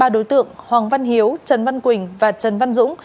ba đối tượng hoàng văn hiếu trần văn quỳnh và trần văn dũng